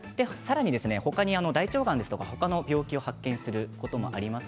他に大腸がんや他の病気を発見することもあります。